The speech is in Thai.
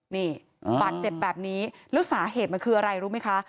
นี่บาดเจ็บแบบนี้แล้วสาเหตุมันคืออะไรรู้ไหมคะ